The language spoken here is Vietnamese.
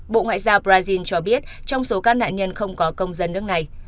bộ ngoại giao brazil cho biết trong số các nạn nhân không có công dân nước này